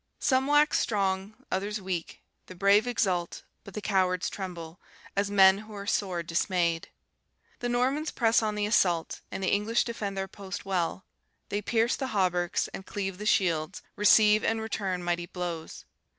"Some wax strong, others weak: the brave exult, but the cowards tremble, as men who are sore dismayed. The Normans press on the assault, and the English defend their post well: they pierce the hauberks, and cleave the shields, receive and return mighty blows.